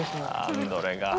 アンドレが。